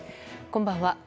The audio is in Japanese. こんばんは。